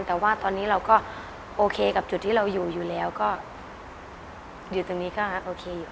แต่ว่าตอนนี้เราก็โอเคกับจุดที่เราอยู่อยู่แล้วก็อยู่ตรงนี้ก็โอเคอยู่